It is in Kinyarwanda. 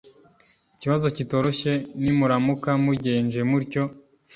ikibazo kitoroshye Nimuramuka mugenje mutyo